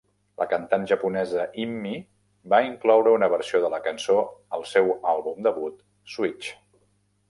La cantant japonesa Immi va incloure una versió de la cançó al seu àlbum debut "Switch".